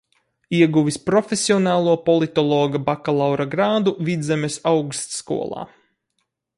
Ieguvis profesionālo politologa bakalaura grādu Vidzemes Augstskolā.